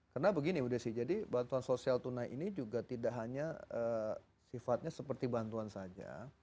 karena begini udhacy jadi bantuan sosial tunai ini juga tidak hanya sifatnya seperti bantuan saja